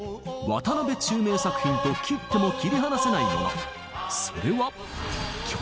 渡辺宙明作品と切っても切り離せないもの。